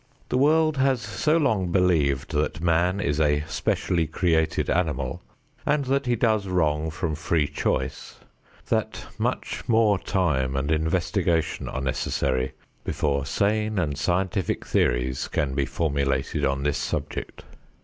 The world has so long believed that man is a specially created animal and that he does wrong from free choice, that much more time and investigation are necessary before sane and scientific theories can be formulated on this subject.